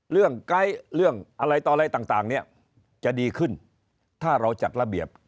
ไกด์เรื่องอะไรต่ออะไรต่างเนี่ยจะดีขึ้นถ้าเราจัดระเบียบ